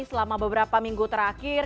selama beberapa minggu terakhir